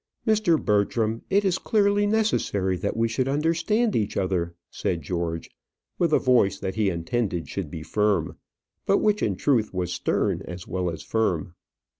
"Mr. Bertram, it is clearly necessary that we should understand each other," said George, with a voice that he intended should be firm, but which in truth was stern as well as firm.